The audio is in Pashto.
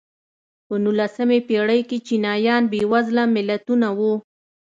په نولسمې پېړۍ کې چینایان بېوزله ملتونه وو.